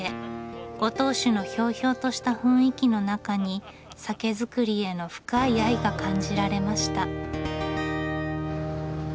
ご当主のひょうひょうとした雰囲気の中に酒造りへの深い愛が感じられました。